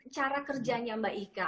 cara kerjanya mbak ika